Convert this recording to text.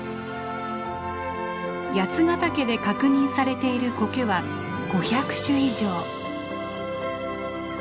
八ヶ岳で確認されているコケは５００種以上。